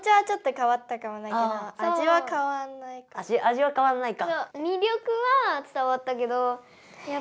でも味は変わんないか。